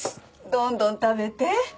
どんどん食べて！